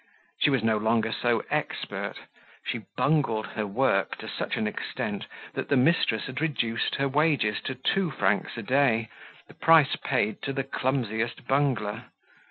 She was no longer so expert. She bungled her work to such an extent that the mistress had reduced her wages to two francs a day, the price paid to the clumsiest bungler.